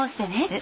え？